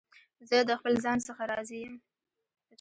زه د خپل ځان څخه راضي یم.